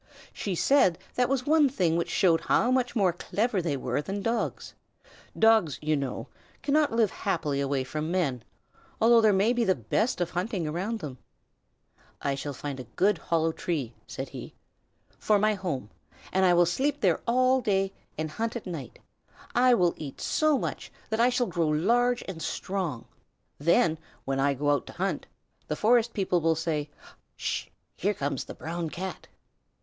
She said that was one thing which showed how much more clever they were than Dogs. Dogs, you know, cannot live happily away from men, although there may be the best of hunting around them. "I will find a good hollow tree," said he, "for my home, and I will sleep there all day and hunt at night. I will eat so much that I shall grow large and strong. Then, when I go out to hunt, the forest people will say, 'Sh! Here comes the Brown Cat.'"